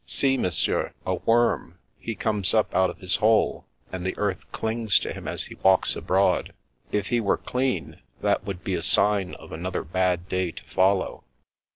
" See, Monsieur, a worm ; he comes up out of his hole, and the earth clings to him as he walks abroad. If he were clean, that would be a sign of another bad day to follow.'